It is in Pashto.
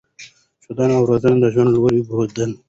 ښوونه او روزنه د ژوند لوری بدلوي.